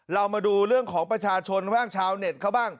เรามาดูเรื่องของประชาชนบ้างชาวเน็ตเขาบ้าง